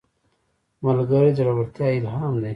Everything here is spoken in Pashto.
ملګری د زړورتیا الهام دی